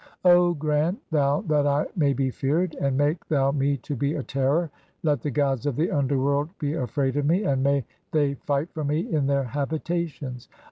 O grant "thou that I may be feared, and make thou me to be a terror ; "let the gods of the underworld be afraid of me, (15) and may "they fight for me in their habitations.